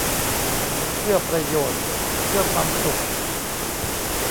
เพื่อประโยชน์ เพื่อความสุข